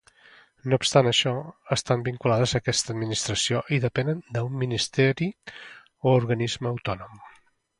No obstant això, estan vinculades a aquesta Administració i depenen d'un Ministeri o Organisme autònom.